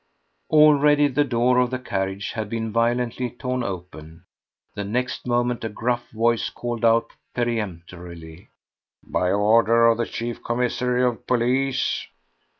Already the door of the carriage had been violently torn open; the next moment a gruff voice called out peremptorily: "By order of the Chief Commissary of Police!"